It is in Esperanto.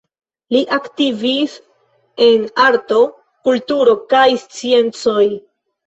Li aktivis en arto, kulturo kaj sciencoj.